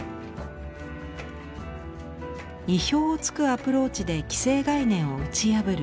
意表をつくアプローチで既成概念を打ち破る